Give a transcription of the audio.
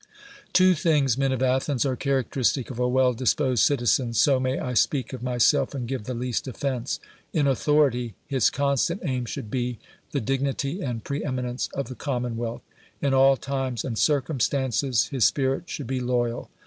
Two things, men of Athens, are characteristic of a well disposed citizen — so may I speak of myself and give the least offense :— In authority, his constant aim should be the dignity and pre eminence of the commonwealth; in all times and circumstances his spirit should be loyal.